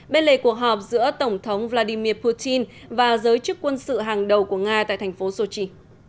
bên lề cuộc họp giữa tổng thống vladimir putin và giới chức quân sự hàng đầu của nga tại thành phố sochi